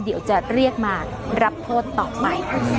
เดี๋ยวจะเรียกมารับโทษต่อไป